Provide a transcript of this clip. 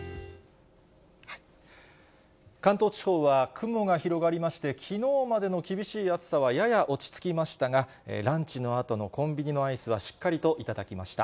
関東地方は雲が広がりまして、きのうまでの厳しい暑さはやや落ち着きましたが、ランチのあとのコンビニのアイスはしっかりと頂きました。